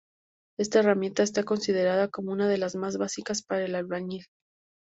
Esta herramienta está considerada como una de las más básicas para el albañil.